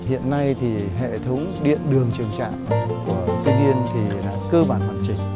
hiện nay thì hệ thống điện đường trường trạng của tiên yên thì là cơ bản hoàn chỉnh